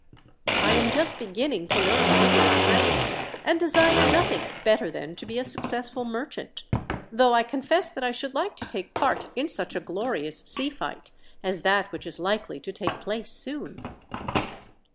"I am just beginning to learn a little of trade, and desire nothing better than to be a successful merchant; though I confess that I should like to take part in such a glorious sea fight as that which is likely to take place soon."